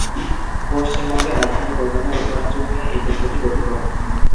পশ্চিমবঙ্গের রাজধানী কলকাতার উত্তরাঞ্চল নিয়ে এই কেন্দ্রটি গঠিত।